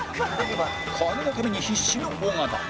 金のために必死の尾形